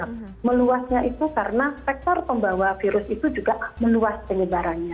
nah meluasnya itu karena sektor pembawa virus itu juga meluas penyebarannya